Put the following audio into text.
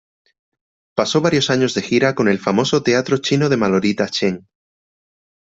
Pasó varios años de gira con el famoso "Teatro Chino de Manolita Chen".